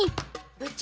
部長！